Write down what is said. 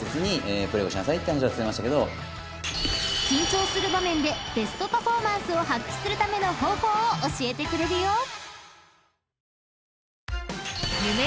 ［緊張する場面でベストパフォーマンスを発揮するための方法を教えてくれるよ］